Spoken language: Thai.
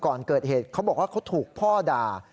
ก่อนเกิดเหตุเขาบอกว่าเขาถูกพ่อด่า